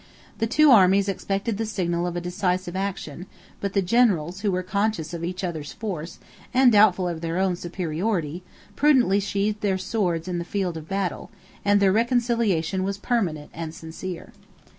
13 The two armies expected the signal of a decisive action; but the generals, who were conscious of each other's force, and doubtful of their own superiority, prudently sheathed their swords in the field of battle; and their reconciliation was permanent and sincere.